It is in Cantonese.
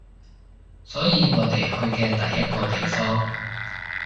所以我哋去嘅第一個地方